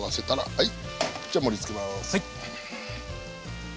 はい。